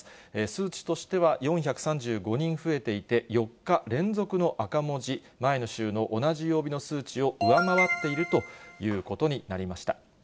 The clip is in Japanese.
数値としては４３５人増えていて、４日連続の赤文字、前の週の同じ曜日の数値を上回っているということになりました。